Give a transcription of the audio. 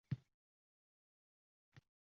— Bu yaxshi, biroq bizni oldinda nimalar kutayotir?